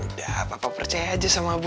udah papa percaya aja sama bu